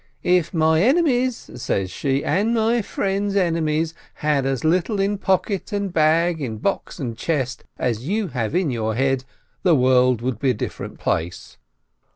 — "If my enemies," says she, "and my friends' enemies, had as little in pocket and bag, in box and chest, as you have in your head, the world would be a different place."